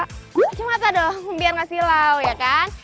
kacung mata dong biar gak silau ya kan